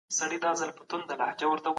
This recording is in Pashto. د هیواد د راتلونکي لپاره پانګونه وکړئ.